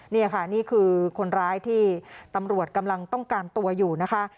นี่ค่ะนี่คือคนร้ายที่ตำรวจกำลังต้องการตัวอยู่นะคะ